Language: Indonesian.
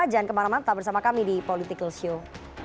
jangan kemana mana tetap bersama kami di politikalshow